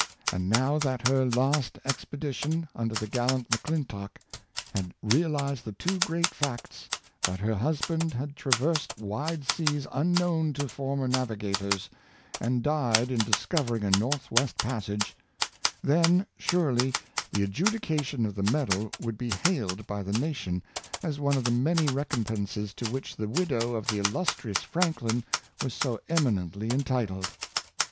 And now that her last expedition, under the gallant M'Clintock, had realized the two great facts — that her husband had traversed wide seas unknown to former navigators, and died in discovering a northwest passage — then, surely, the adjudication of the medal would be hailed by the nation as one of the many recompenses to which the widow of the illustrious Franklin was so eminently entitled.'